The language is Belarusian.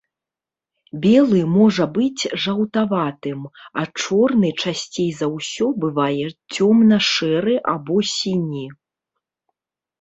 Белы можа быць жаўтаватым, а чорны часцей за ўсё бывае цёмна-шэры або сіні.